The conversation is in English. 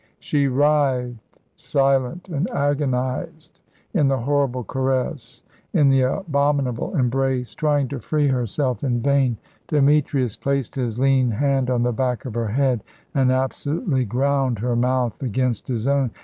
She writhed, silent and agonised, in the horrible caress, in the abominable embrace, trying to free herself in vain. Demetrius placed his lean hand on the back of her head and absolutely ground her mouth against his own.